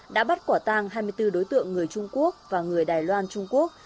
đã bắt quả tang hai mươi bốn đối tượng người trung quốc và người đài loan trung quốc